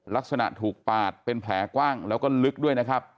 ลักษณะถูกปาดเป็นแผลกว้างแล้วก็ลึกด้วยนะครับ